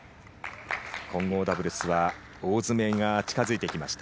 混合ダブルスは大詰めが近づいてきました。